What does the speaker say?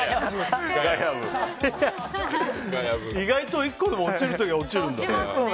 意外と１個でも落ちる時は落ちるんだね。